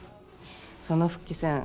その復帰戦。